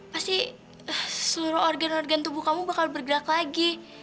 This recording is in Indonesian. pasti seluruh organ organ tubuh kamu bakal bergerak lagi